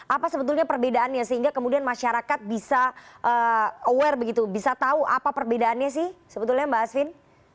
apa sebetulnya perbedaannya sehingga kemudian masyarakat bisa aware begitu bisa tahu apa perbedaannya sih sebetulnya mbak asvin